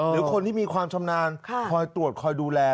หรือคนที่มีความชำนาญคอยตรวจคอยดูแล